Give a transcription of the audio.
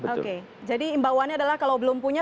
jadi imbauannya adalah kalau belum punya